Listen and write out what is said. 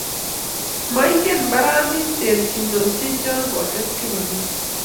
Moingen mbarani terchinosiecho, kites Kipokeo